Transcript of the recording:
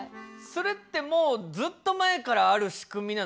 それってもうずっと前からある仕組みなの？